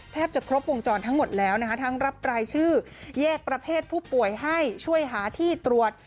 จะครบวงจรทั้งหมดแล้วนะคะทั้งรับรายชื่อแยกประเภทผู้ป่วยให้ช่วยหาที่ตรวจ